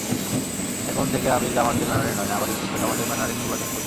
এখন থেকে আমি জামায়াতের ব্যানারে নয়, নাগরিক ঐক্য সমাজের ব্যানারে নির্বাচন করব।